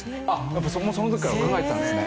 やっぱそれもその時から考えてたんですね。